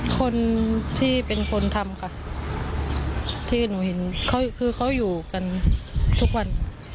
คนที่เป็นคนทำค่ะที่หนูเห็นเขาคือเขาอยู่กันทุกวัน